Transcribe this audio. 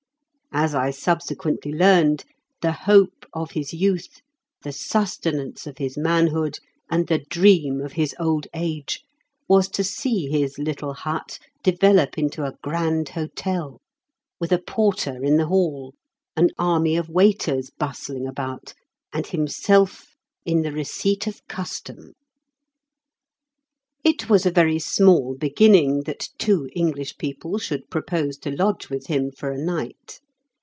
As I subsequently learned, the hope of his youth, the sustenance of his manhood, and the dream of his old age was to see his little hut develop into a grand hotel, with a porter in the hall, an army of waiters bustling about, and himself in the receipt of custom. It was a very small beginning that two English people should propose to lodge with him for a night.